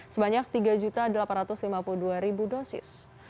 sebanyak tiga delapan ratus lima puluh dua dosis